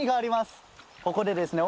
ここでですね